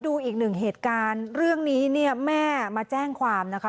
ดูอีกหนึ่งเหตุการณ์เรื่องนี้เนี่ยแม่มาแจ้งความนะคะ